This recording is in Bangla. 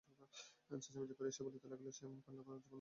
চেচামেচি করিয়া সে বলিতে লাগিল যে এমন কান্ড জীবনে সে কখনো দ্যাখে নাই।